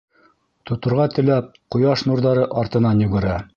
Тоторға теләп, ҡояш нурҙары артынан югерә.